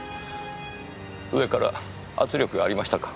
上から圧力がありましたか。